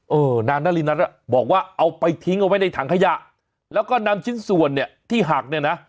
นางนารินัทอ่ะบอกว่าเอาไปทิ้งเอาไว้ในถังขยะแล้วก็นำชิ้นส่วนเนี่ยที่หักเนี่ยนะ